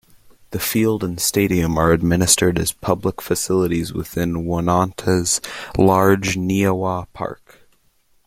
The field and stadium are administered as public facilities within Oneonta's large Neahwa Park.